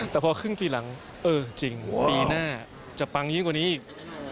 แต่พอครึ่งปีหลังเออจริงปีหน้าจะปังยิ่งกว่านี้อีก